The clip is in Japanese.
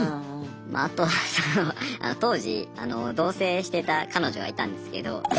あとはその当時同せいしてた彼女がいたんですけど。